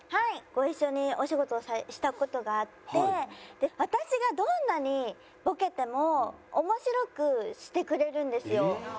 ご一緒にお仕事をした事があって私がどんなにボケても面白くしてくれるんですよ。